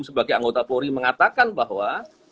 sebagai anggota polri mengatakan bahwa